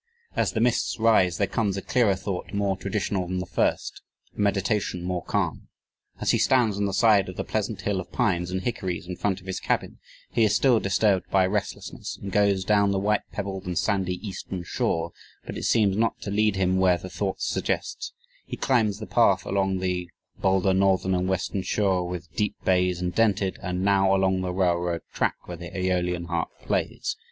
As the mists rise, there comes a clearer thought more traditional than the first, a meditation more calm. As he stands on the side of the pleasant hill of pines and hickories in front of his cabin, he is still disturbed by a restlessness and goes down the white pebbled and sandy eastern shore, but it seems not to lead him where the thought suggests he climbs the path along the "bolder northern" and "western shore, with deep bays indented," and now along the railroad track, "where the Aeolian harp plays."